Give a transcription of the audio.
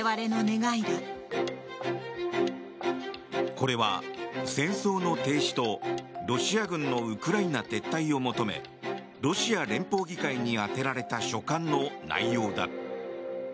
これは戦争の停止とロシア軍のウクライナ撤退を求めロシア連邦議会に宛てられた書簡の内容だ。